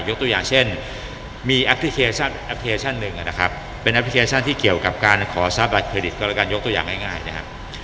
ยกตัวอย่างเช่นมีแอปพลิเคชันนึงนะครับเป็นแอปพลิเคชันที่เกี่ยวกับการขอซับแบบเครดิตการการยกตัวอย่างง่ายนะครับ